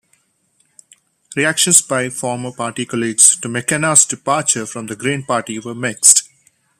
Reactions by former party colleagues to McKenna's departure from the Green Party were mixed.